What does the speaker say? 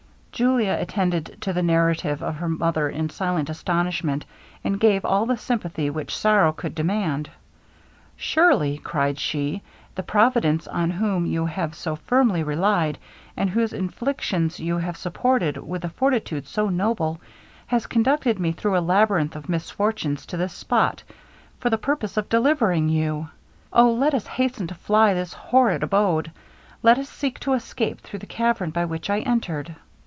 Julia attended to the narrative of her mother in silent astonishment, and gave all the sympathy which sorrow could demand. 'Surely,' cried she, 'the providence on whom you have so firmly relied, and whose inflictions you have supported with a fortitude so noble, has conducted me through a labyrinth of misfortunes to this spot, for the purpose of delivering you! Oh! let us hasten to fly this horrid abode let us seek to escape through the cavern by which I entered.'